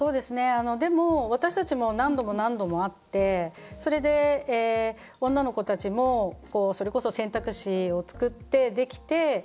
でも、私たちも何度も何度も会ってそれで女の子たちもそれこそ選択肢を作って、できて。